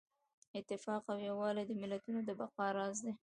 اتفاق او یووالی د ملتونو د بقا راز دی.